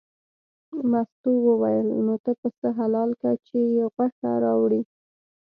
مستو وویل نو ته پسه حلال که چې یې غوښه راوړې.